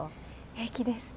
平気です。